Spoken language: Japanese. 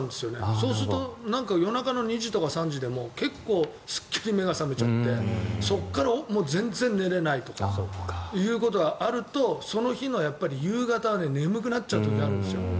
そうすると夜中の２時とか３時でも結構すっきり目が覚めちゃってそこから全然寝れないということがあるとその日の夕方は眠くなっちゃう時があるんです。